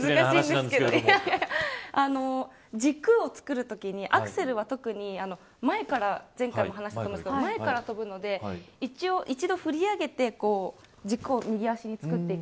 軸をつくるときにアクセルは特に前から前回もお話したんですが前から跳ぶので一度振り上げて軸を右足に作っていく。